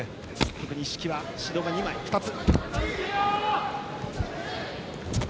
特に一色は指導が２つ。